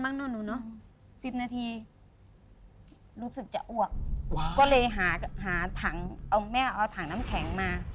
นู่นหนูเนอะสิบนาทีรู้สึกจะอ้วกก็เลยหาหาถังเอาแม่เอาถังน้ำแข็งมา